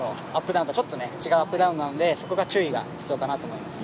ダウンとちょっと違うアップダウンなのでそこが注意が必要かなと思います。